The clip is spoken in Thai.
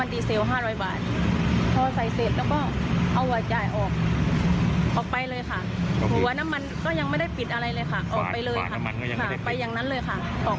ไม่เคยเจอค่ะครั้งแรกเลยค่ะ